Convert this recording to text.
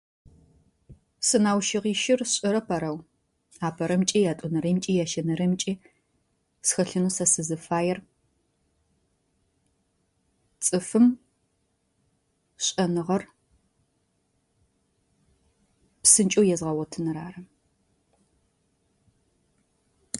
Сэнаущыгъищыр сшӏэрэп арау, апэрэмкӏи, ятӏонорэймкӏи, ящэнэрэймкӏи схэлъынэу сэ сызыфаер цӏыфым шӏэныгъэр псынкӏэу езгъэгъотыныр ары.